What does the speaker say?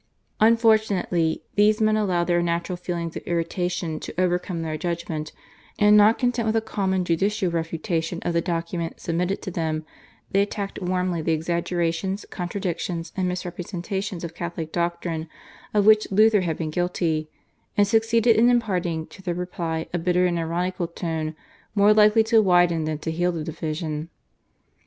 Unfortunately these men allowed their natural feelings of irritation to overcome their judgment, and not content with a calm and judicial refutation of the document submitted to them, they attacked warmly the exaggerations, contradictions, and misrepresentations of Catholic doctrine of which Luther had been guilty, and succeeded in imparting to their reply a bitter and ironical tone more likely to widen than to heal the division.